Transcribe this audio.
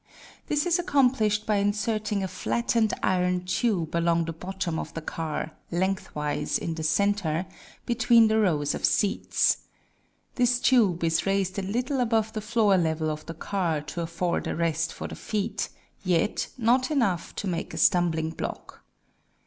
This is accomplished by inserting a flattened iron tube along the bottom of the car lengthwise in the center, between the rows of seats. This tube is raised a little above the floor level of the car to afford a rest for the feet, yet, not enough to make a stumbling block.